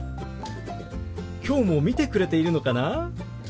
きょうも見てくれているのかな？